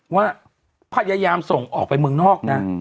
ว่าพยายามส่งออกไปเมืองนอกนะ